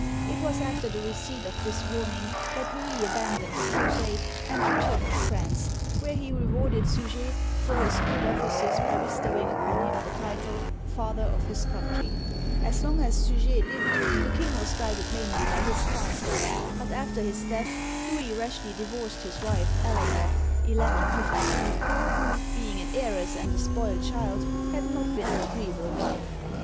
" It was after the receipt of this warning that Louis aban doned tlve crusade and returned to France, where he re warded Suger for his good offices by bestowing upon him the title, " Father of his Country/' As long as Suger lived, the king was guided mainly by his counsels, but after his death Louis rashly divorced his wife, Eleanor (1152), who, being an heiress and a spoiled child, had not been an agreeable wife.